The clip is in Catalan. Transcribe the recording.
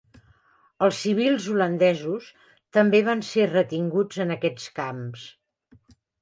Els civils holandesos també van ser retinguts en aquests camps.